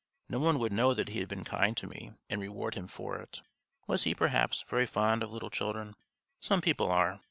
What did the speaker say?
No one would know that he had been kind to me and reward him for it. Was he, perhaps, very fond of little children? Some people are.